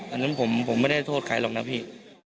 อันนั้นผมไม่ได้โทษใครหรอกนะพี่